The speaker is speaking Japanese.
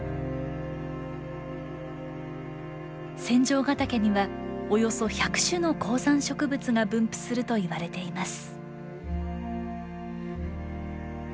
仙丈ヶ岳にはおよそ１００種の高山植物が分布するといわれています。